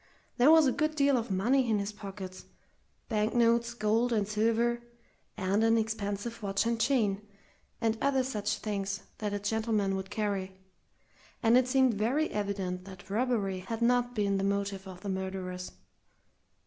There was a good deal of money in his pockets bank notes, gold, and silver and an expensive watch and chain, and other such things that a gentleman would carry; and it seemed very evident that robbery had not been the motive of the murderers.